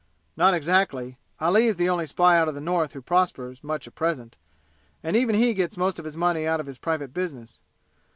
"Not exactly! Ali is the only spy out of the North who prospers much at present, and even he gets most of his money out of his private business.